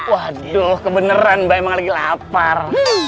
waduh kebenaran mbak emang lagi lapar